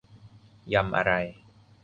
ยำอะไร